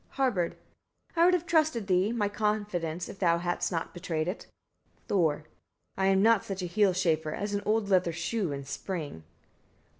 Harbard. 34. I would have trusted thee, my confidence if thou hadst not betrayed it. Thor. 35. I am not such a heel chafer as an old leather shoe in spring.